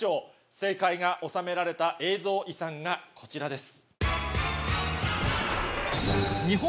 正解がおさめられた映像遺産がこちらです。